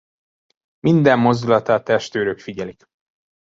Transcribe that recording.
Minden mozdulatát testőrök figyelik.